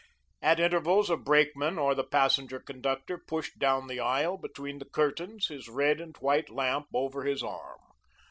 At intervals, a brakeman or the passenger conductor pushed down the aisle, between the curtains, his red and white lamp over his arm.